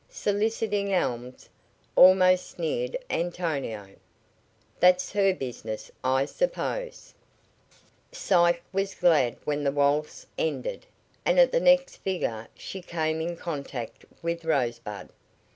"Soliciting alms," almost sneered Antonio. "That's her business, I suppose." Psyche was glad when the waltz ended, and at the next figure she came in contact with Rosebud.